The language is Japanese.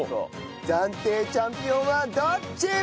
暫定チャンピオンはどっち！？